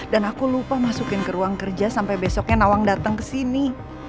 dan aku lupa masukin ke ruang kerja sampai besoknya nawang datang ke sini